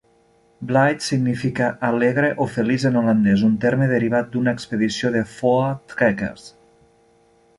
Blyde significa "alegre" o "feliç" en holandès, un terme derivat d'una expedició de voortrekkers.